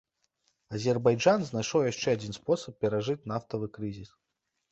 Азербайджан знайшоў яшчэ адзін спосаб перажыць нафтавы крызіс.